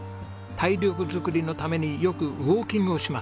体力作りのためによくウォーキングをします。